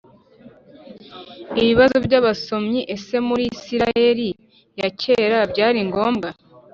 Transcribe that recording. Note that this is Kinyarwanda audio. Ibibazo by abasomyi ese muri isirayeli ya kera byari ngombwa